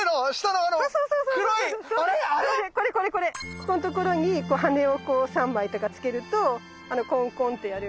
ここんところに羽根を３枚とかつけるとあのコンコンってやる。